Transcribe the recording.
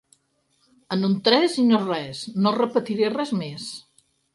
En un tres i no res, no repetiré res més.